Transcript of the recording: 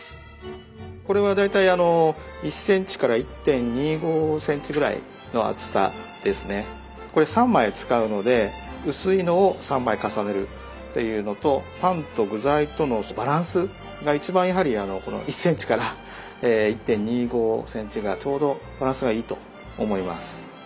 これは大体あのこれ３枚使うので薄いのを３枚重ねるっていうのとパンと具材とのバランスが一番やはりこの１ｃｍから１．２５ｃｍがちょうどバランスがいいと思います。